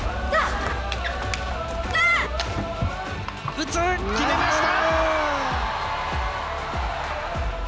打つ、決めました！